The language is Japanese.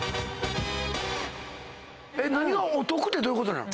お得ってどういうことなの？